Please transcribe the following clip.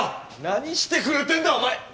何してくれてんだお前っ